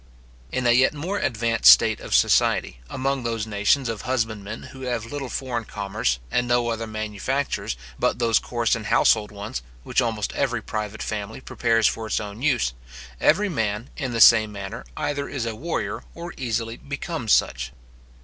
In a yet more advanced state of society, among those nations of husbandmen who have little foreign commerce, and no other manufactures but those coarse and household ones, which almost every private family prepares for its own use, every man, in the same manner, either is a warrior, or easily becomes such.